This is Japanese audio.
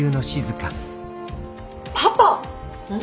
パパ！